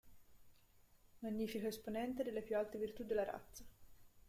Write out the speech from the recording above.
Magnifico esponente delle più alte virtù della razza”.